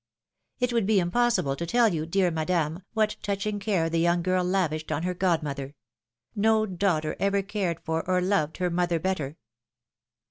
It would be impossible to tell you, dear Madame, w^hat touching care the young girl lavished on her godmother: no daughter ever cared for or loved her mother better.